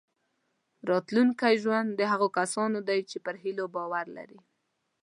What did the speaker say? راتلونکی ژوند د هغو کسانو دی چې پر هیلو باور لري.